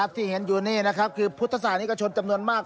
ที่เห็นอยู่นี่คือพุทธศาสตร์นี้เยอะจำนวนมาก